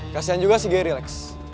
dan juga si geri lex